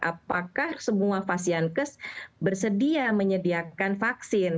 apakah semua pasienkes bersedia menyediakan vaksin